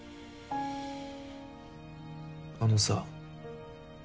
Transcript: あのさ。